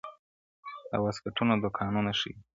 د واسکټونو دوکانونه ښيي -